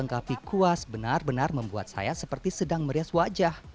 melengkapi kuas benar benar membuat saya seperti sedang merias wajah